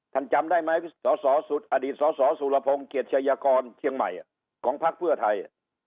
จำได้ไหมอดีตสสสุรพงศ์เกียรติชายกรเชียงใหม่ของพักเพื่อไทย